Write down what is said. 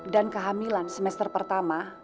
dan kehamilan semester pertama